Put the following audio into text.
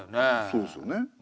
そうですよね。